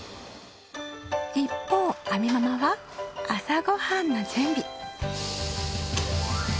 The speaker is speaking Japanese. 一方亜美ママは朝ご飯の準備。